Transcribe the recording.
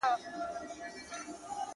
پر مځکه سپي او په هوا کي به کارګان ماړه وه،